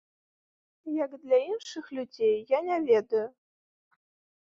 Як для іншых людзей, я не ведаю.